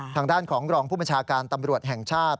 ทางด้านของรองผู้บัญชาการตำรวจแห่งชาติ